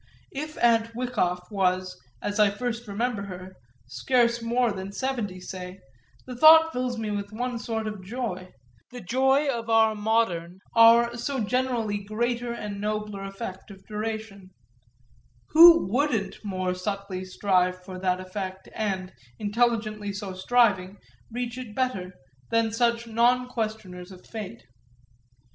If Aunt Wyckoff was, as I first remember her, scarce more than seventy, say, the thought fills me with one sort of joy, the joy of our modern, our so generally greater and nobler effect of duration: who wouldn't more subtly strive for that effect and, intelligently so striving, reach it better, than such non questioners of fate?